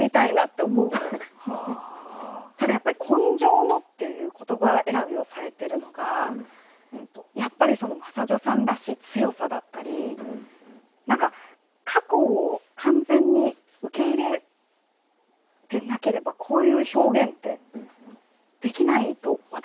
ただやっぱり「今生の」っていう言葉選びをされてるのがやっぱり真砂女さんらしい強さだったり過去を完全に受け入れてなければこういう表現ってできないと私は思うんですね。